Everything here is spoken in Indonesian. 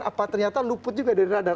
apa ternyata luput juga dari radar